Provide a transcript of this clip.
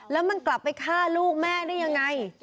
แล้วมันกลับไปฆ่าลูกแม่ได้ยังไง